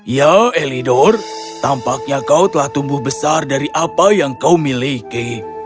ya elidor tampaknya kau telah tumbuh besar dari apa yang kau miliki